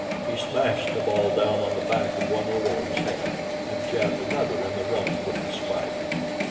He smashed the ball down on the back of one Ulleran's head, and jabbed another in the rump with the spike.